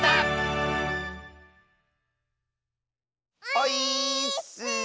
オイーッス！